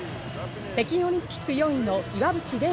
北京オリンピック４位の岩渕麗